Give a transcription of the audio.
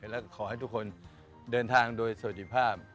และขอให้ทุกคนเดินทางโดยสวัสดีภาพ